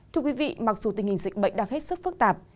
thưa quý vị mặc dù tình hình dịch bệnh đang hết sức phức tạp